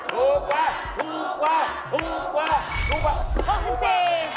ถูกว่าถูกได้